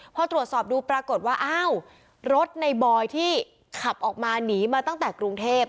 พอตรวจสอบดูปรากฏว่าอ้าวรถในบอยที่ขับออกมาหนีมาตั้งแต่กรุงเทพ